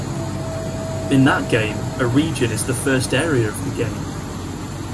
In that game, Eregion is the first area of the game.